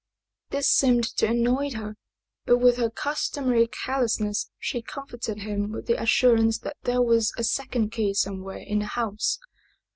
This seemed to annoy her; but with her customary carelessness she comforted him with the assurance that there was a second key somewhere in the house.